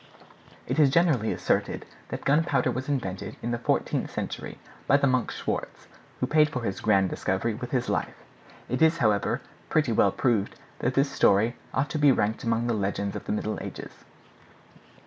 It is generally asserted that gunpowder was invented in the fourteenth century by the monk Schwartz, who paid for his grand discovery with his life. It is, however, pretty well proved that this story ought to be ranked among the legends of the middle ages.